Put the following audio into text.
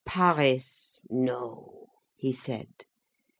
"Paris, no!" he said.